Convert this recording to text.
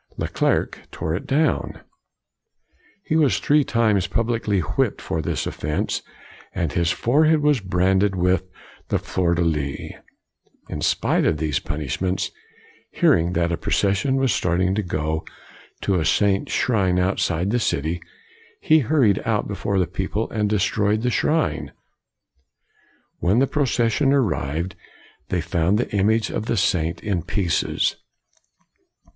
Leclerc tore it down. COLIGNY 151 He was three times publicly whipped for this offense and his forehead was branded with the fleur de lis. In spite of these punishments, hearing that a procession was starting to go to a saint's shrine outside the city, he hurried out before the people and destroyed the shrine. When the proces sion arrived, they found the image of the saint in pieces.